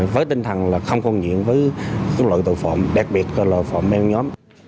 với tinh thần không còn nhiễm với loại tội phạm đặc biệt là loại tội phạm men nhóm